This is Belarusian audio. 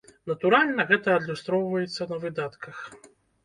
Натуральна, гэта адлюстроўваецца на выдатках.